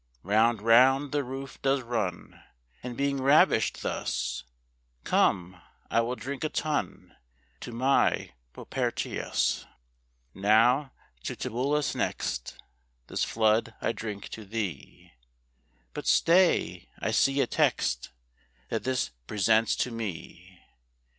Round, round, the roof does run; And being ravish'd thus, Come, I will drink a tun To my Propertius. Now, to Tibullus next, This flood I drink to thee; But stay, I see a text, That this presents to me.